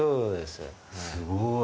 すごい！